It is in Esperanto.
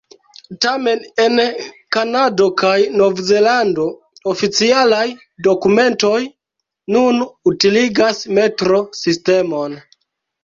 Tamen en Kanado kaj Novzelando, oficialaj dokumentoj nun utiligas metro-sistemon.